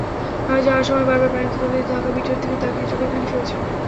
যাওয়ার সময় বারবার পানিতে তলিয়ে থাকা ভিটার দিকে তাকিয়ে চোখের পানি ফেলছেন।